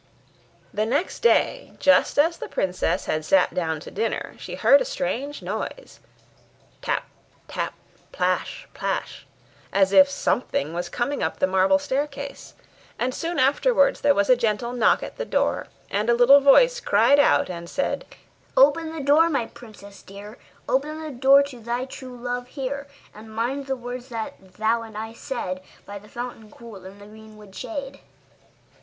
The next day, just as the princess had sat down to dinner, she heard a strange noise tap, tap plash, plash as if something was coming up the marble staircase: and soon afterwards there was a gentle knock at the door, and a little voice cried out and said: 'Open the door, my princess dear, Open the door to thy true love here! And mind the words that thou and I said By the fountain cool, in the greenwood shade.